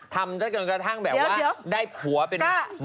ทำกระทั่งแบบว่าได้ผัวเป็นหมอ